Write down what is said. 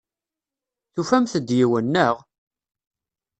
Tufamt-d yiwen, naɣ?